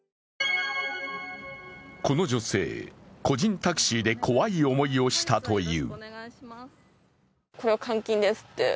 この女性、個人タクシーで怖い思いをしたという。